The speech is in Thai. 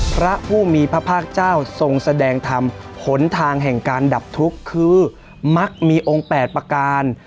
พระผู้มีพระภาคเจ้าทรงแสดงธรรมหนทางแห่งการดับทุกข์คือมักมีองค์๘ประการ